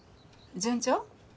順調？